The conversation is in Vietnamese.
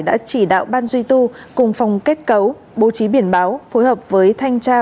đã chỉ đạo ban duy tu cùng phòng kết cấu bố trí biển báo phối hợp với thanh tra